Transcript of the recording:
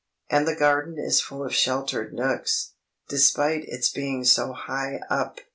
And the garden is full of sheltered nooks, despite its being so high up.